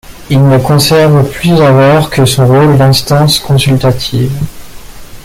Il ne conserve plus alors que son rôle d'instance consultative.